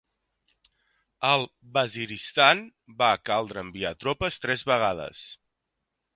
Al Waziristan va caldre enviar tropes tres vegades.